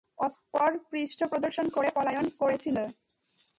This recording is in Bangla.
অতঃপর পৃষ্ঠপ্রদর্শন করে পলায়ন করেছিলে।